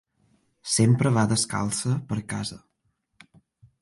Sempre va descalça, per casa.